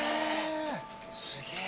すげえ。